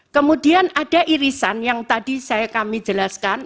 kemudian ada irisan yang tadi kami jelaskan